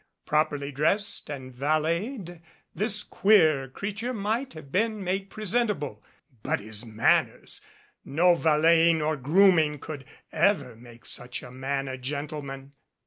Properly dressed and valeted this queer creature might have been made presentable. But his manners ! No valet ing or grooming could ever make such a man a gentle man.